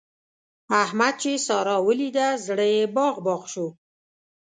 احمد چې سارا وليده؛ زړه يې باغ باغ شو.